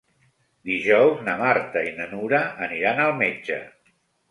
Dijous na Marta i na Nura aniran al metge.